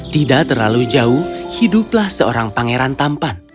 tidak terlalu jauh hiduplah seorang pangeran tampan